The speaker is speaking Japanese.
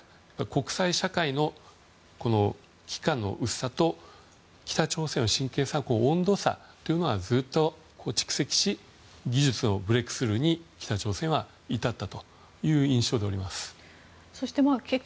国際社会の危機感の薄さと北朝鮮の真剣さ温度差というのがずっと蓄積し技術のブレークスルーに至ったという印象です。